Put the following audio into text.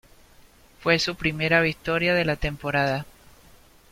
Fue su primera victoria de la temporada.